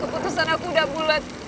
keputusan aku udah bulat